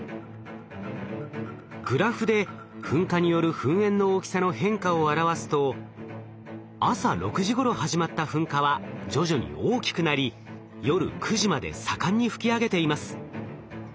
グラフで噴火による噴煙の大きさの変化を表すと朝６時ごろ始まった噴火は徐々に大きくなり夜９時まで盛んに噴き上げています。